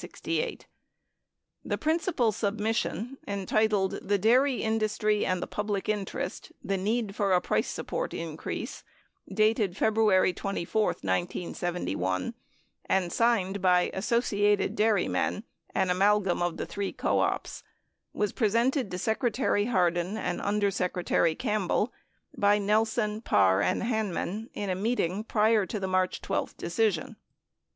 The principal submission, entitled "The Dairy Industry and the Public Interest : The Need for a Price Support Increase," dated Febru ary 24, 1971, and signed by Associated Dairymen (an amalgam of the three co ops) 3 was presented to Secretary Hardin and Under Secretary Campbell by Nelson, Parr, and Hanman in a meeting prior to the March 12 decision.